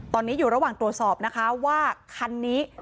ตอนนี้อยู่ระหว่างตรวจสอบนะคะว่าคันนี้